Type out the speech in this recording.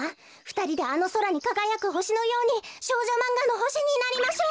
ふたりであのそらにかがやくほしのように少女マンガのほしになりましょう。